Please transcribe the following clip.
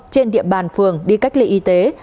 trên địa bàn phường đi cách ly y tế